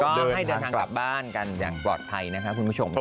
ก็ให้เดินทางกลับบ้านกันอย่างปลอดภัยนะคะคุณผู้ชม